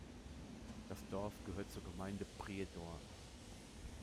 Das Dorf gehört zur Gemeinde Prijedor.